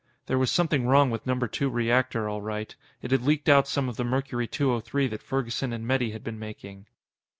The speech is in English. There was something wrong with Number Two Reactor, all right. It had leaked out some of the Mercury 203 that Ferguson and Metty had been making.